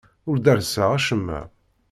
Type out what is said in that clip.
Ur derrseɣ acemma.